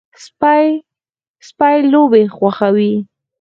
سپي لوبې خوښوي.